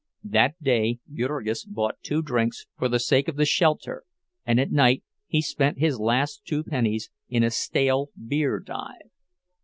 That day Jurgis bought two drinks for the sake of the shelter, and at night he spent his last two pennies in a "stale beer dive."